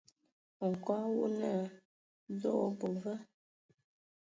Nkɔg wɔ naa "Dze o abɔ va ?".